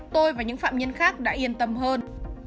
tôi và những phạm nhân khác đã yên tâm hơn